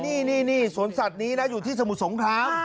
นี่นี่นี่สวนสัตว์นี้อยู่ที่สมุทรสมภาพ